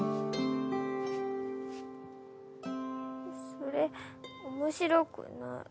それ面白くない。